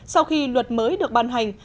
sau khi luật mới được ban hành